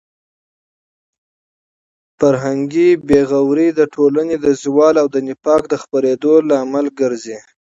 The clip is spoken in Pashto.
فرهنګي بې غوري د ټولنې د زوال او د نفاق د خپرېدو لامل ګرځي.